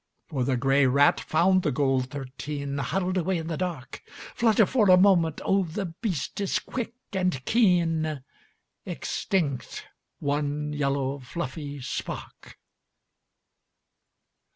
For the grey rat found the gold thirteen Huddled away in the dark, Flutter for a moment, oh the beast is quick and keen, Extinct one yellow fluffy spark.